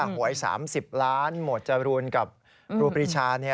หวย๓๐ล้านหมวดจรูนกับครูปรีชา